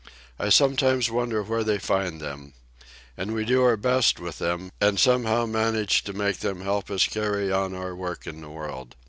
I sometimes wonder where they find them. And we do our best with them, and somehow manage to make them help us carry on our work in the world.